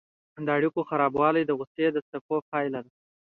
د اړیکو خرابوالی د غوسې د څپو پایله ده.